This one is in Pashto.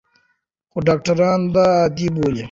خو ډاکټران دا عادي بولي.